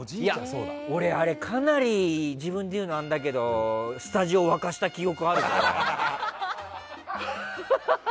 俺あれかなり自分で言うのあれだけどスタジオを沸かせた記憶があるよ。